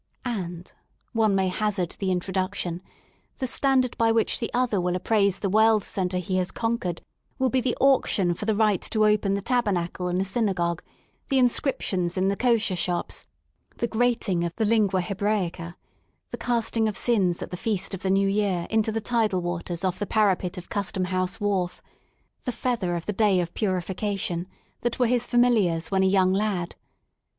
And^ one may hazard the in duction — ^the standard by which the other will appraise the world centre he has conquered will be the auction for the right to open the tabernacle in the synagogue, the inscriptions in the kosher shops, the grating of the lingtm hebraica^ the casting of sins at the feast of the New Year i nto the tidal waters off the parapet of Custom House Wharf j the feather of the Day of Puri fication, that were his familiars when a young lad.